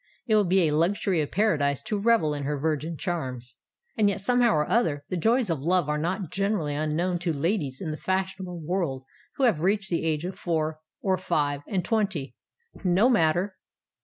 It will be a luxury of paradise to revel in her virgin charms. And yet, somehow or other, the joys of love are not generally unknown to ladies in the fashionable world who have reached the age of four or five and twenty. No matter!